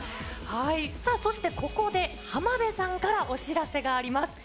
さあそして、ここではまべさんからお知らせがあります。